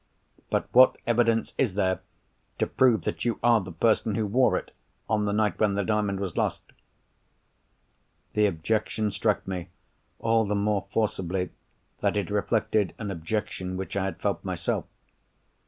But what evidence is there to prove that you are the person who wore it, on the night when the Diamond was lost?" The objection struck me, all the more forcibly that it reflected an objection which I had felt myself.